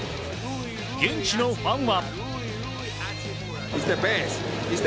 現地のファンは。